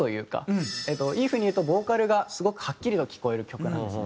いい風に言うとボーカルがすごくはっきりと聞こえる曲なんですね。